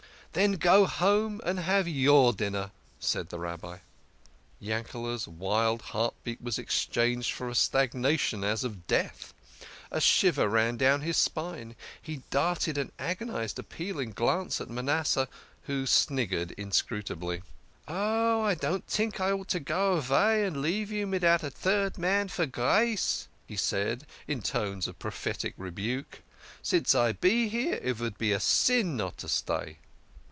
"Then go home and have your dinner," said the Rabbi. Yankele's wild heart beat was exchanged for a stagnation as of death. A shiver ran down his spine. He darted an agonised appealing glance at Manasseh, who sniggered inscrutably. " Oh, I don't tink I ought to go avay and leave you midout a tird man for grace," he said, in tones of prophetic rebuke. " Since I be here, it vould be a sin not to stay."